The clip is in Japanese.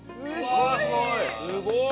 すごい！